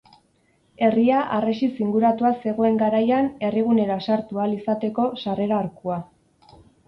Herria harresiz inguratua zegoen garaian herrigunera sartu ahal izateko sarrera-arkua.